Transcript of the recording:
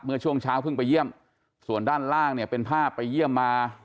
เมื่อช่วงเช้าเพิ่งไปเยี่ยมส่วนด้านล่างเนี่ยเป็นภาพไปเยี่ยมมา